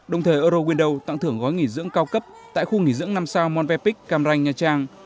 đồng thời eurowindow tặng thưởng gói nghỉ dưỡng cao cấp tại khu nghỉ dưỡng năm sao montepic cam ranh nha trang